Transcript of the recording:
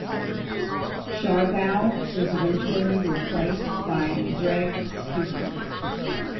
Sharbough was eventually replaced by Greg Stukey.